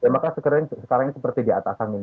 maka sekarang ini seperti diatas angin